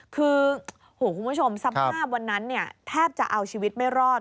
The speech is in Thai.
คือคุณผู้ชมสภาพวันนั้นเนี่ยแทบจะเอาชีวิตไม่รอด